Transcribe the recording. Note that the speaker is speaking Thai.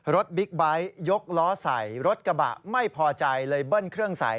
บิ๊กไบท์ยกล้อใส่รถกระบะไม่พอใจเลยเบิ้ลเครื่องใส่